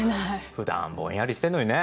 普段はぼんやりしてんのにね。